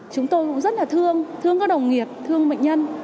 chúng tôi cũng rất là thương thương các đồng nghiệp thương bệnh nhân